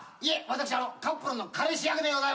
私カップルの彼氏役でございます。